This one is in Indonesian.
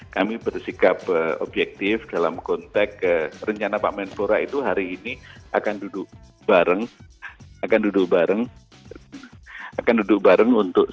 kami bersikap objektif dalam kontak ke rencana pak menpora itu hari ini akan duduk bareng